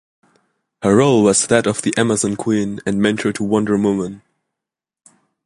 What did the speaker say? Her role was that of the Amazon Queen and mentor to Wonder Woman.